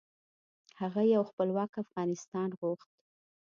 هغه یو خپلواک افغانستان غوښت .